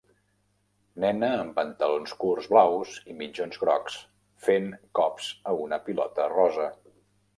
Nena amb pantalons curts blaus i mitjons grocs fent cops a una pilota rosa.